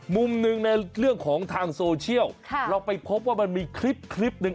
มุมหนึ่งในเรื่องของทางโซเชียลเราไปพบว่ามันมีคลิปหนึ่ง